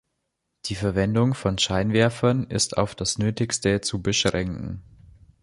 Die Verwendung von Scheinwerfern ist auf das nötigste zu beschränken.